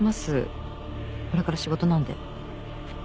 これから仕事なんで。